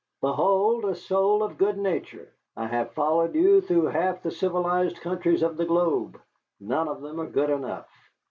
"Behold a soul of good nature! I have followed you through half the civilized countries of the globe none of them are good enough.